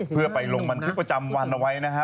เพื่อไปลงบันทึกประจำวันเอาไว้นะฮะ